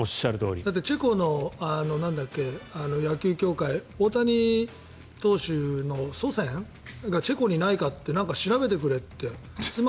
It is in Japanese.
だってチェコの野球協会大谷投手の祖先がいないかなんか調べてくれって。